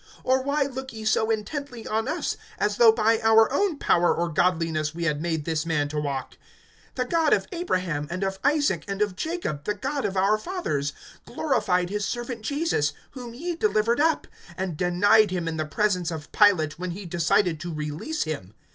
Or why look ye so intently on us, as though by our own power or godliness we had made this man to walk? (13)The God of Abraham, and of Isaac, and of Jacob, the God of our fathers, glorified his servant Jesus; whom ye delivered up, and denied him in the presence of Pilate, when he decided to release him.